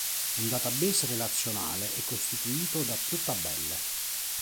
Un database relazionale è costituito da più tabelle.